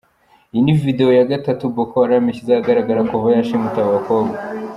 Iyi ni video ya gatatu Boko Haram ishyize ahagaragara kuva yashimuta abo bakobwa.